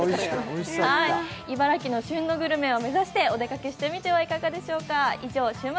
茨城の旬のグルメを目指しておでかけしてみてはいかがでしょうか。